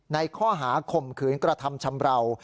ในข้อหาข่มขืนกระทำชำราว